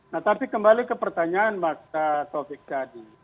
nah tapi kembali ke pertanyaan mas taufik tadi